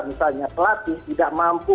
misalnya pelatih tidak mampu